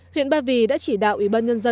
huyện ba vì đã chỉ đạo ủy ban nhân dân